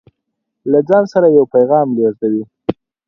له ځان سره يو پيغام لېږدوي